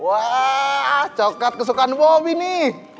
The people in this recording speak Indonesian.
wah cokelat kesukaan bobby nih